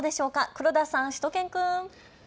黒田さん、しゅと犬くん。